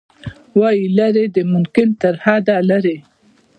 وايي، لیرې د ممکن ترحده لیرې